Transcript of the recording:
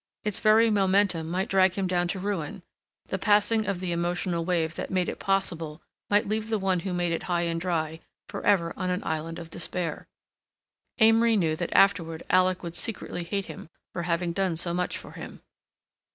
Its very momentum might drag him down to ruin—the passing of the emotional wave that made it possible might leave the one who made it high and dry forever on an island of despair. ... Amory knew that afterward Alec would secretly hate him for having done so much for him....